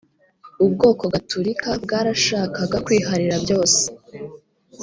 ubwoko gatorika bwarashakaga kwiharira byose